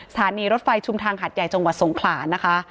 สถานีรถไฟชุมทางหัดใหญ่จังหวัดสงขลานะคะ